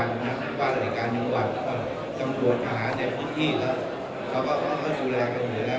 บริษัทนักบริษัทจังหวัดจังหวัดภาษาในพุทธที่แล้วเขาก็ก็ก็ดูแลกันอยู่แล้ว